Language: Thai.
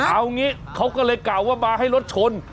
เอางี้เขาก็เลยกล่าวว่ามาให้รถชน